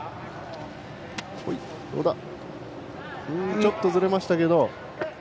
ちょっとずれましたけど。